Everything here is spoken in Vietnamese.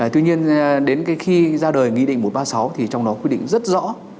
tuy nhiên đến khi ra đời nghị định một trăm ba mươi sáu thì trong đó quy định rất rõ